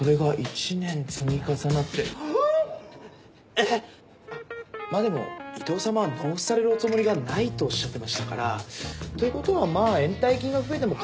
えっ⁉まぁでも伊藤さまは納付されるおつもりがないとおっしゃってましたからということはまぁ延滞金が増えても。